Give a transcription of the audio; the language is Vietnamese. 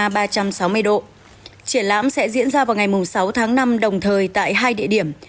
trên bức tranh panorama ba trăm sáu mươi độ triển lãm sẽ diễn ra vào ngày sáu tháng năm đồng thời tại hai địa điểm